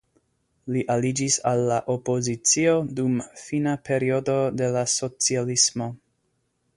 Li aliĝis al la opozicio dum fina periodo de la socialismo.